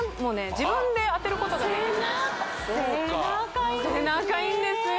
自分で当てることができるんです背中いいですね